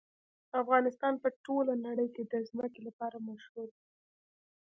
افغانستان په ټوله نړۍ کې د ځمکه لپاره مشهور دی.